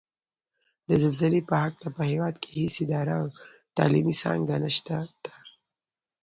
د زلزلې په هکله په هېواد کې هېڅ اداره او تعلیمي څانګه نشته ده